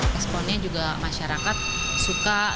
responnya juga masyarakat suka